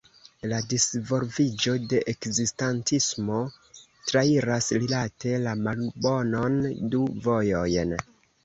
La disvolviĝo de ekzistadismo trairas, rilate la malbonon, du vojojn.